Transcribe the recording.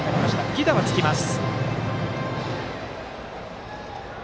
犠打はつきます。